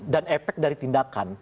dan efek dari tindakan